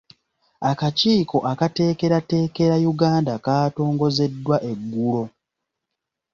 Akakiiko akateekerateekera Uganda kaatongozeddwa eggulo.